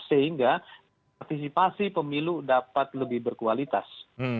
sehingga partisipasi pemilu dapat lebih berkualitas